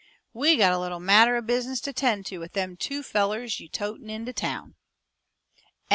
We got a little matter o' business to tend to with them two fellers yo' totin' to town."